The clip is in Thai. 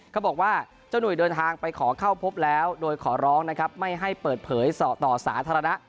เขาบอกว่าเจ้าหนุ่ยเดินทางไปขอเข้าพบแล้วโดยขอร้องนะครับไม่ให้เปิดเผยสอต่อสาธารณะ